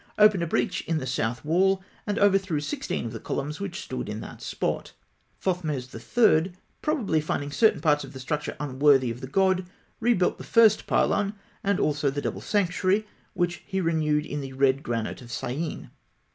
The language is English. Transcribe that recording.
opened a breach in the south wall, and overthrew sixteen of the columns which stood in that spot. Thothmes III., probably finding certain parts of the structure unworthy of the god, rebuilt the first pylon, and also the double sanctuary, which he renewed in the red granite of Syene.